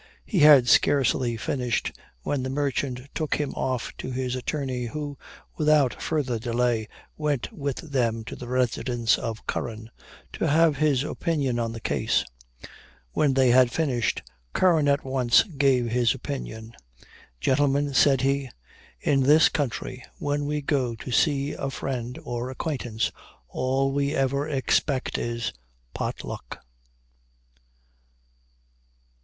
He had scarcely finished, when the merchant took him off to his attorney who, without further delay, went with them to the residence of Curran, to have his opinion on the case. When they had finished, Curran at once gave his opinion. "Gentlemen," said he, "in this country, when we go to see a friend or acquaintance, all we ever expect is pot luck!"